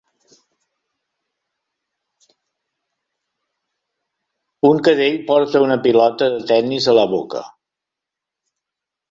Un cadell porta una pilota de tennis a la boca.